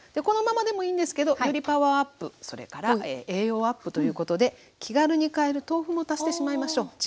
このままでもいいんですけどよりパワーアップそれから栄養アップということで気軽に買える豆腐も足してしまいましょう。